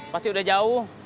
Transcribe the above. pasti udah jauh